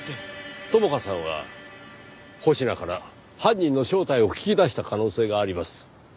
朋香さんは保科から犯人の正体を聞き出した可能性があります。